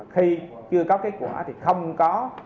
khi chưa có kết quả thì không có